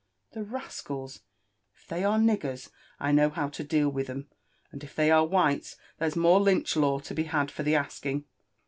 "The rascals I — if thoy are oilers, I know how to deal with 'em ; and if they arc whites, there's more Lynch law lo be had for the asking."